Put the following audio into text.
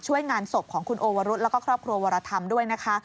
งานศพของคุณโอวรุษแล้วก็ครอบครัววรธรรมด้วยนะคะ